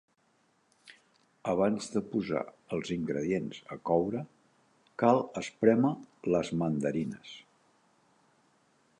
Abans de posar els ingredients a coure, cal esprémer les mandarines.